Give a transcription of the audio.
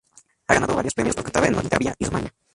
Ha ganado varios premios por cantar en Moldavia y Rumanía.